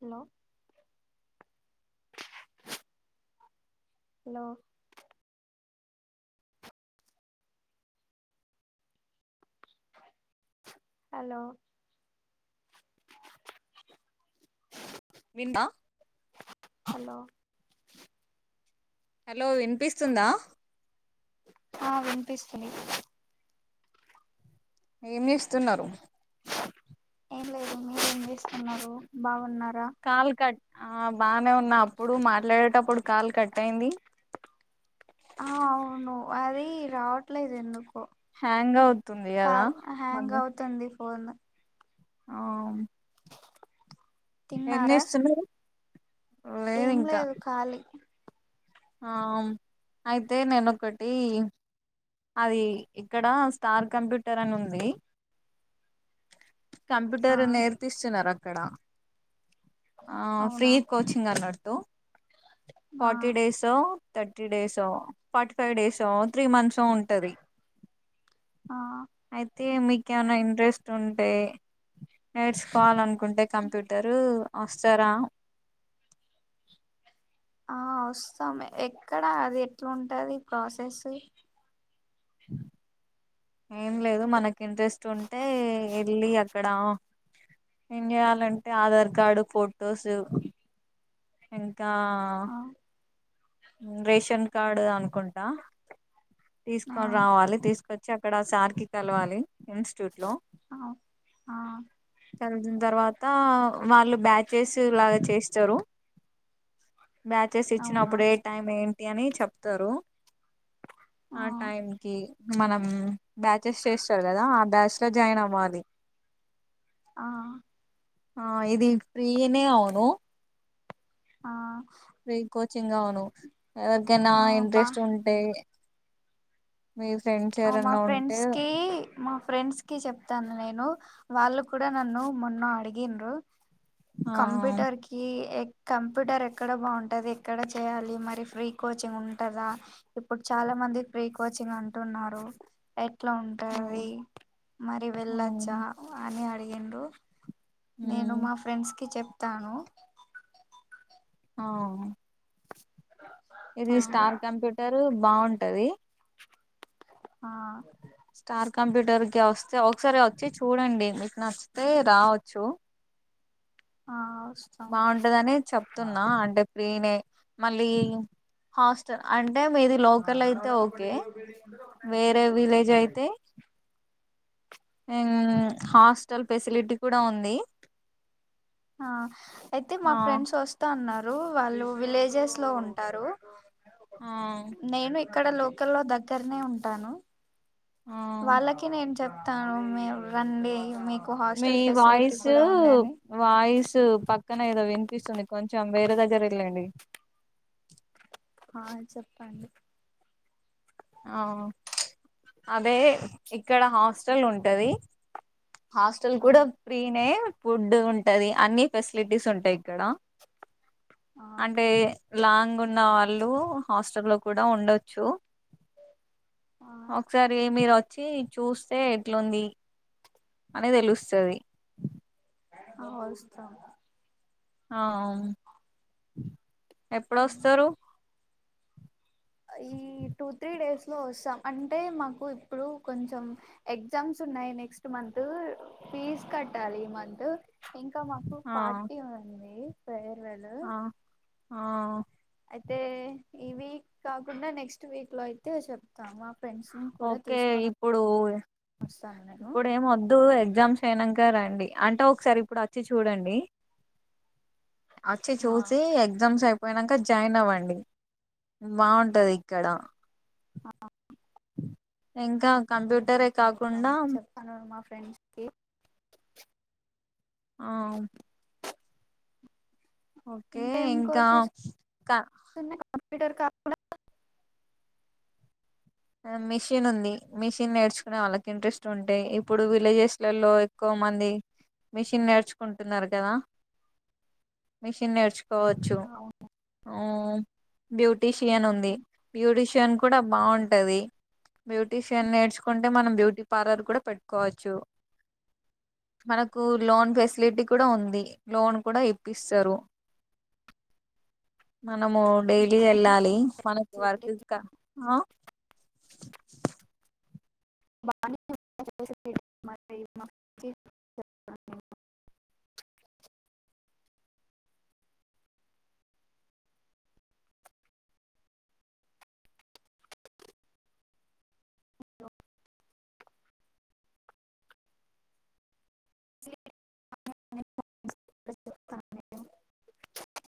Hello hello hello విందా hello hello వినిపిస్తుందా ఆ వినిపిస్తున్నా ఏమి చేస్తున్నారు ఏం లేదు మీరు చేస్తున్నారు బాగున్నారా కాల్ కట్ ఆ బానే ఉన్నా అప్పుడు మాట్లాడేటప్పుడు కాల్ కట్ అయింది. ఆ అవును అది రావట్లేదు ఎందుకో హ్యాంగ్ అవుతుంది కదా మందు పోను ఆ ఏం తిన్నారా చేస్తున్నారు. ఏం లేదు ఖాళీ ఆ అయితే నేను ఒకటి అది ఇక్కడ స్టార్ కంప్యూటర్ అని ఉంది. ఆ కంప్యూటర్ నేర్ తీస్తున్నారు. అక్కడ ఆ ఫ్రీ అవునా కోచింగ్ అన్నట్టు ఆ forty days thirty days forty five days, three months ఉంటది ఆ అయితే మీకి ఏమనా ఇంట్రెస్ట్ ఉంటే నేర్చుకోవాలంటే కుంటే కంప్యూటరు వస్తార ఆ వస్తాం ఎక్కడా ఆది ఎట్లా ఉంటది ప్రాసెస్. ఏం లేదు మనకి ఇంట్రెస్ట్ ఉంటే వెళ్ళి అక్కడ ఏం చేయాలంటే ఆధార్ కార్డు ఫొటోసు ఇంకా ఆ రేషన్ కార్డు అనుకుంటా ఆ తీసుకొని రావాలి తీసుకొచ్చ వ అక్కడ సార్కి కలవాలి ఇన్స్టియూట్ లో ఆ కలిసిన తర్వాత వాళ్ళు బ్యాచెస్ లాగా చేస్తారు. మ్యాచెస్ అవునా ఇచ్చినప్పుడే టైం ఏంటి అని చెప్తారు ఆ టైంకి మనం బ్యాచెస్ చేస్తారు కదా ఆ బ్యాచ్ లో జాయిన్ అవ్వాలి ఆ ఆ ఇది ప్రీనే అవును ఆ చెంగవును ఎవరికైనా ఆ బా ఇంట్రెస్ట్ ఉంటే మీ ఫ్రెండ్స్ ఆ మా ఎవరన్నా ఉంటే ఫ్రెండ్స్ కి మా ఫ్రెండ్స్ కి చెప్తాను నేను వాళ్ళు కూడా నన్ను మొన్న అడిగిన్రు ఆ కంప్యూటర్కి ఎ కంప్యూటర్ ఎక్కడ బాగుంటది ఎక్కడ చేయాలి మరి ఫ్రీ కోచింగ్ ఉంటదా ఇప్పుడు చాలా మంది ఫ్రీ కోచింగ్ అంటున్నారు ఎక్ ఎట్లా ఉంటది మరి ఆ వెళ్ళచ్చా అని అడిగి ఏందో నేను ఉమ్, మా ఫ్రెండ్స్ కి చెప్ తాను ఆ ఇది స్టార్ కంప్యూటర్ రు బాగుంటది ఆ స్టార్ కంప్యూటర్కి వస్తే ఒకసారి వచ్చి చూడండి మీకు నచ్చితే రావచ్చు ఆ వస్తాం బాగుంటదని చెప్తున్నా అంటే ఫ్రీనే మళ్ళీ హాస్టల్ అం అంటే మీది లోకల్ అయితే ఓకే వేరే విలేజ్ అయితే హ్మ్ హాస్టల్ ఫెసిలిటీ కూడా ఉంది ఆ అయితే మా ఆ ఫ్రెండ్స్ వస్తా అన్నారు రు వాళ్ళు విలేజెస్ లో ఉంటారు. ఆ నేను ఇక్కడ లోకల్ లో దగ్గర్నే ఉంటాను. ఆ వాళ్ళకి నేన్ చెప్ తాను మీర్ రండి మీ మీ వాయిసు వాయిస్ దు పక్కన ఏదో వినిపిస్తుంది కొంచెం వేరే దగ్గర వెళ్ళండి ఆ చెప్పండి ఆ హాస్టెల్ ఆ కూడా ఫ్రీనే ఫుడ్ ఉంటది అన్ని ఫెసిలిటీస్ ఉంటాయి ఇక్కడ ఆ అంటే లాంగ్ ఉన్న వాళ్ళు హాస్టల్ లో కూడా ఉండొచ్చు ఆ ఒకసారి మీరు వ వచ్చి చూస్తే ఎట్లుంది అని తెలుస్తుంది ఆ వస్తా ఆ ఎప్పుడుస్తారు ఈ టూ త్రీ డేస్ లో వస్తాం అంటే మాకు ఇప్పుడు కొంచెం ఎగ్జామ్స్ ఉన్నాయి నెక్స్ట్ మంత్ ఫీజ్ కట్టాలి ఈ మంత్ ఇంకా మాకు ఆ పార్టీ ఉంది సర ఏవళ ఆ ఆ ఈ వీక్ కాకుండా నెక్స్ట్ వీక్ లో అయితే అయితే చెప్తాం మా ఫ్రెండ్స్ని కూడా ఓకే తీసుకొని ఇప్పుడు వస్తాను నేను ఇప్పుడు ఏం వద్దు ఎగ్జామ్స్ అయినాక రండి అంటే ఒకసారి ఇప్పుడు వచ్చి చూడండి అచ్చే ఆ చూసి ఎగ్జామ్స్ పోయినాక జాయిన్ అవ్వండి బాగుంటది ఇక్కడ ఆ ఇంకా కంప్యూటరే కాకుండా ఫ్రెండ్స్కి ఆ ఓకే ఇంకా టర్ కాప్పుడా మిషిన్ ఉంది మిషన్ నేర్చుకునే వాళ్ళకి ఇంట్రెస్ట్ ఉంటాయి ఇప్పుడు విలేజెస్ లలో ఎక్కువ మంది మిషన్ నేర్చుకుంటున్నారు కదా మిషన్ నేర్చుకు పోవచ్చు అవును, ఆ బ్యూటీషియన్ ఉంది బ్యూటీషియన్ కూడా బాగు ది బ్యూటీషియన్ నేర్చుకుంటే మనం బ్యూటీ పార్లర్ కూడా పెట్టుకోవచ్చు మనకు లోన్ ఫెసిలిటీ కూడా ఉంది లోన్ కూడా ఇప్పిస్తారు. మనము డైలీ వెళ్ళాలి మనకి వర్క్. బా [unintelligible] ఇ [unintelligible] [unintelligible]